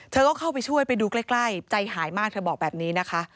เธอก็เข้าไปช่วยไปดูใกล้ใจหายมากเธอบอกแบบนี้นะคะ